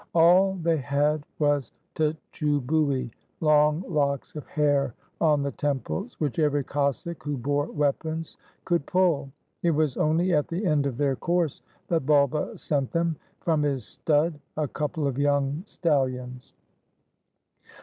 All they had was tchubui [long locks of hair on the temples], which every Cossack who bore weapons could pull. It was only at the end of their course that Bulba sent them, from his stud, a couple of young stallions.